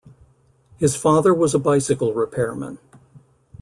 His father was a bicycle repairman.